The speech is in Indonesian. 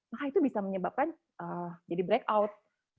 maka itu bisa menyebabkan jadi breakout